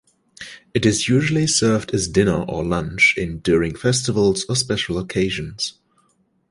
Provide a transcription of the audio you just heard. It is usually served as dinner or lunch in during festivals or special occasions.